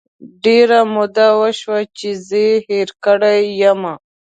ډیره موده وشوه چې زه یې هیره کړی یمه